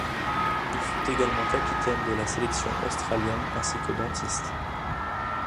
Il fut également capitaine de la sélection australienne ainsi que dentiste.